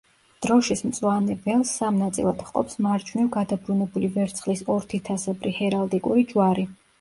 დროშის მწვანე ველს სამ ნაწილად ჰყოფს მარჯვნივ გადაბრუნებული ვერცხლის ორთითასებრი ჰერალდიკური ჯვარი.